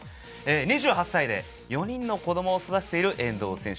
２８歳で４人の子供を育ている遠藤選手。